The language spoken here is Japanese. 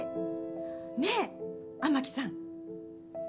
ねえ雨樹さん。